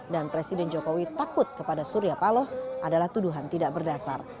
dan presiden jokowi takut kepada suria paloh adalah tuduhan tidak berdasar